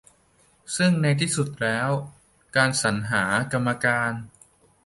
ซึ่งในที่สุดแล้ว การสรรหา กรรมการ